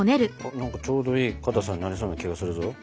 何かちょうどいいかたさになりそうな気がするぞ。